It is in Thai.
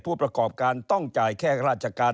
ผู้ประกอบการต้องจ่ายแค่ราชการ